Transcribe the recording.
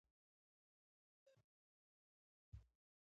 له استاد سره مو بانډار وکړ.